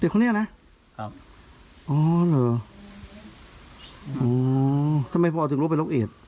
คนนี้นะครับอ๋อเหรออ๋อทำไมพ่อถึงรู้เป็นโรคเอด